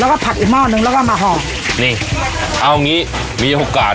แล้วก็ผัดอีกหม้อนึงแล้วก็มาห่อนี่เอางี้มีโอกาส